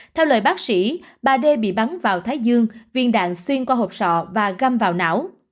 theo lời bác sĩ bà đê bị bắn vào thái dương viên đạn xuyên qua hộp sọ và găm vào não